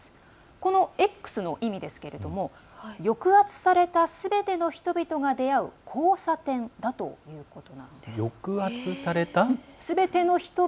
このＸの意味ですけれども抑圧されたすべての人々が出会う交差点だということなんです。